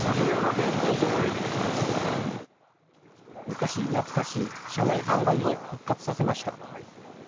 昔懐かしい車内販売を復活させました。